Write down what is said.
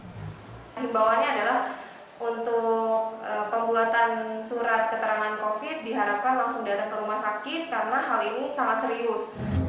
di bawahnya adalah untuk pembuatan surat keterangan covid diharapkan langsung datang ke rumah sakit karena hal ini sangat serius